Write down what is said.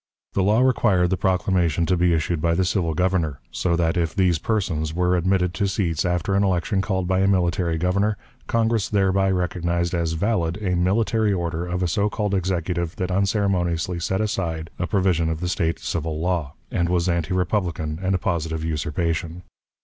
The law required the proclamation to be issued by the civil Governor; so that, if these persons were admitted to seats after an election called by a military Governor, Congress thereby recognized as valid a military order of a so called Executive that unceremoniously set aside a provision of the State civil law, and was anti republican and a positive usurpation.